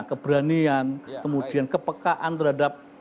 keberanian kemudian kepekaan terhadap